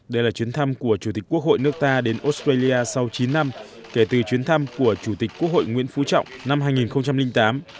đây là chuyến thăm của chủ tịch quốc hội nước ta đến australia sau chín năm kể từ chuyến thăm của chủ tịch quốc hội nguyễn phú trọng năm hai nghìn tám